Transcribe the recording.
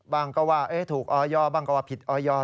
บางก็ว่าถูกออยอร์บางก็ว่าผิดออยอร์